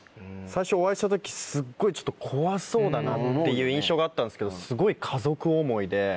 最初お会いした時すっごい怖そうだなっていう印象があったんですけどすごい。